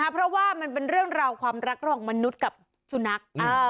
เพราะว่ามันเป็นเรื่องราวความรักระหว่างมนุษย์กับสุนัข